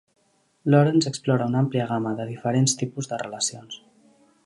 Lawrence explora una àmplia gamma de diferents tipus de relacions.